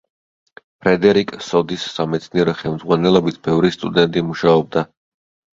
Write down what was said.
ფრედერიკ სოდის სამეცნიერო ხელმძღვანელობით ბევრი სტუდენტი მუშაობდა.